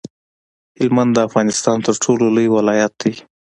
هلمند د افغانستان تر ټولو لوی ولایت دی.